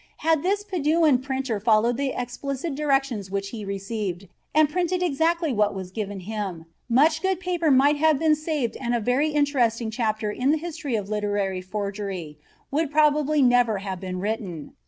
Had this Paduan printer followed the explicit directions which he received, and printed exactly what was given him much good paper might have been saved and a very interesting chapter in the history of literary forgery would probably never have been written.